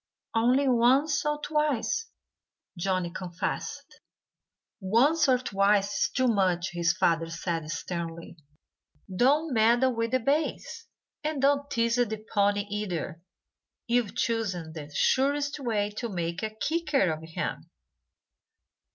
"Only once or twice!" Johnnie confessed. "Once or twice is too much," his father said sternly. "Don't meddle with the bays. And don't tease the pony, either. You've chosen the surest way to make a kicker of him.